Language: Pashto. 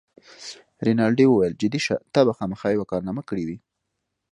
رینالډي وویل: جدي شه، تا به خامخا یوه کارنامه کړې وي.